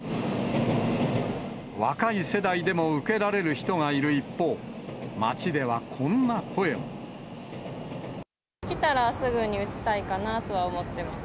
若い世代でも受けられる人がいる一方、街ではこんな声も。来たらすぐに打ちたいかなとは思っています。